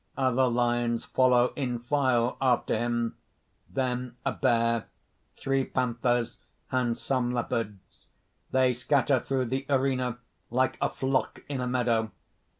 Other lions follow in file after him; then a bear, three panthers, and some leopards. They scatter through the arena like a flock in a meadow.